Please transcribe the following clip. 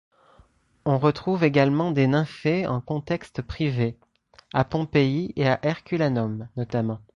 On retrouve également des nymphées en contexte privé, à Pompéi et à Herculanum notamment.